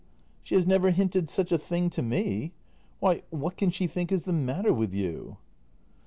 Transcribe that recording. She has never hinted such a thing to me. Why, what can she think is the matter with you